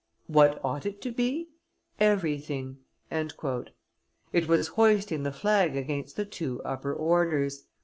What ought it to be? Everything?" It was hoisting the flag against the two upper orders.